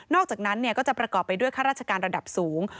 อกจากนั้นก็จะประกอบไปด้วยข้าราชการระดับสูง